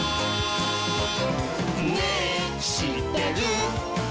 「ねぇしってる？」